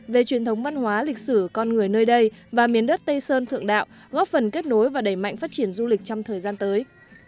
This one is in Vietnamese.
về truyền thống văn hóa lịch sử con người nơi đây và miền đất tây sơn thượng đạo góp phần kết nối và đẩy mạnh phát triển du lịch trong thời gian tới